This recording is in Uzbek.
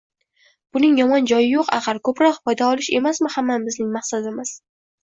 Buning yomon joyi yo‘q, axir, ko‘proq foyda olish emasmi hammamizning maqsadimiz?